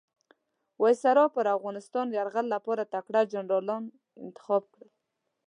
وایسرا پر افغانستان یرغل لپاره تکړه جنرالان انتخاب کړل.